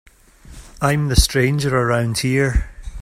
I'm the stranger around here.